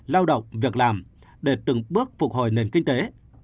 lao động việc làm để từng bước phục hồi nền kinh tế